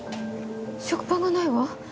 食パンがないわ。